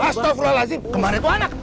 astaghfirullahaladzim kemarin itu anak